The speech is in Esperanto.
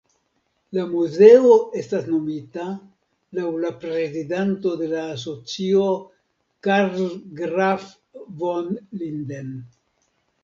La muzeo estas nomita laŭ la prezidanto de la asocio Karl Graf von Linden.